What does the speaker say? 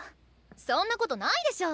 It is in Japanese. そんなことないでしょ。